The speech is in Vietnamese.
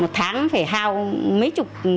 tháng phải hao mấy chục xuống